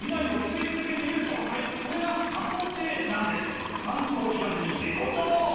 つまり山頂行かずに絶好調！